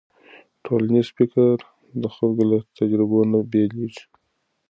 ټولنیز فکر د خلکو له تجربو نه بېلېږي.